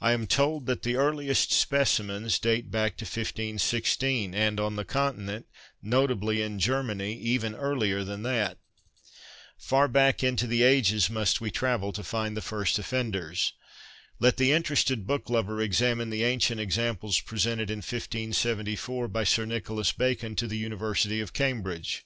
I am told that the earliest specimens date back to 15 16, and on the Continent, notably in Germany, even earlier than that. Far back into the ages must we travel to find the first ' THE CULT OF THE BOOKPLATE ' 87 offenders. Let the interested book lover examine the ancient examples presented in 1574 by Sir Nicholas Bacon to the University of Cambridge.